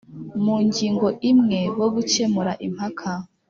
mu ngingo imwe bwo gukemura impaka